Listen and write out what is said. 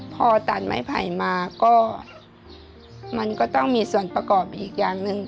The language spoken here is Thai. พอตัดไม้ไผ่มาก็มันก็ต้องมีส่วนประกอบอีกอย่างหนึ่ง